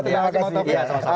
terima kasih pak jokowi